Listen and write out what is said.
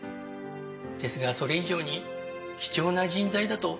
ですがそれ以上に貴重な人材だと私は思います。